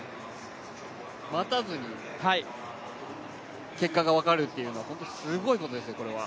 待たずに結果が分かるというのはすごいことですよ、これは。